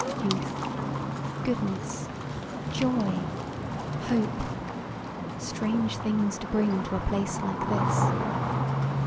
Youth! Goodness! Joy! Hope! strange things to bring to a place like this.